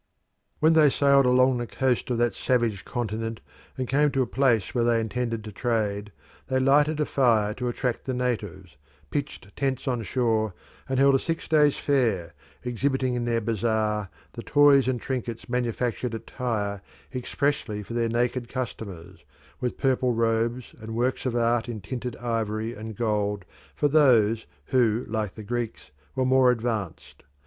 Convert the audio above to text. When they sailed along the shores of that savage continent and came to a place where they intended to trade, they lighted a fire to attract the natives, pitched tents on shore, and held a six days' fair, exhibiting in their bazaar the toys and trinkets manufactured at Tyre expressly for their naked customers, with purple robes and works of art in tinted ivory and gold for those who, like the Greeks, were more advanced.